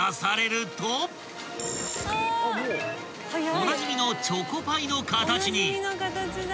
［おなじみのチョコパイの形に］